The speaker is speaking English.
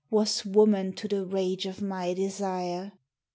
Was woman to the rage of my desire.